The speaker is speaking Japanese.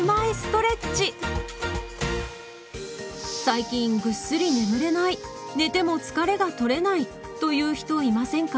最近ぐっすり眠れない寝ても疲れがとれないという人いませんか？